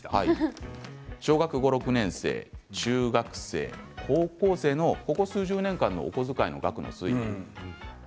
小学５、６年生、中学生、高校生のここ数十年間のお小遣いの額の推移です。